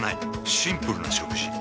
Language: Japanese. シンプルな食事。